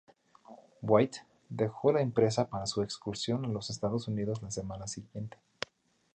White dejo la empresa para su excursión a los Estados Unidos la semana siguiente.